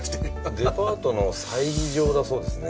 デパートの催事場だそうですね。